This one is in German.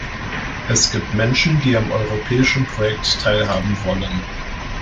Es gibt Menschen, die am europäischen Projekt teilhaben wollen.